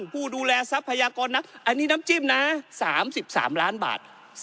ผู้ดูแลทรัพยากรนักอันนี้น้ำจิ้มนะ๓๓ล้านบาท